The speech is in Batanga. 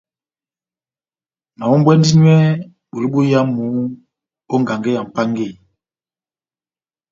Nahombwɛndi nywɛ bulu boyamu ó ngangɛ ya Mʼpángeyi.